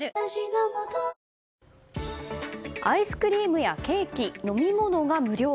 アイスクリームやケーキ飲み物が無料。